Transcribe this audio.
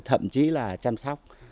thậm chí là chăm sóc